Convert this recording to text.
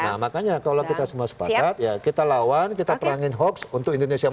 nah makanya kalau kita semua sepakat ya kita lawan kita perangin hoax untuk indonesia